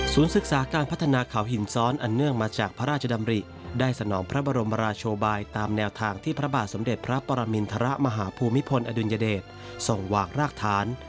ศึกษาการพัฒนาเขาหินซ้อนอันเนื่องมาจากพระราชดำริได้สนองพระบรมราชบายตามแนวทางที่พระบาทสมเด็จพระปรมินทรมาฮภูมิพลอดุลยเดชส่งหวากรากฐาน